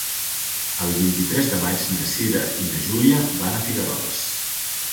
El vint-i-tres de maig na Cira i na Júlia van a Figueroles.